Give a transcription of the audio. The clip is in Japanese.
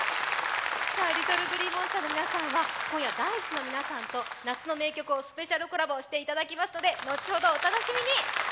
ＬｉｔｔｌｅＧｌｅｅＭｏｎｓｔｅｒの皆さんは今夜Ｄａ−ｉＣＥの皆さんと、夏の名曲をスペシャルコラボしていただきますので後ほどお楽しみに。